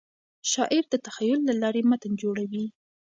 شاعر د تخیل له لارې متن جوړوي.